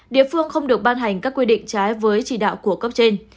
địa phương không được ban hành các quy định trái với chỉ đạo của cấp trên